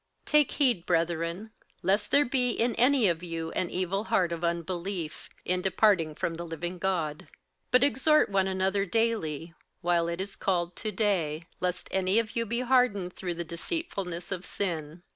58:003:012 Take heed, brethren, lest there be in any of you an evil heart of unbelief, in departing from the living God. 58:003:013 But exhort one another daily, while it is called To day; lest any of you be hardened through the deceitfulness of sin.